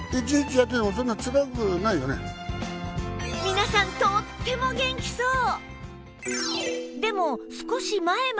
皆さんとっても元気そう！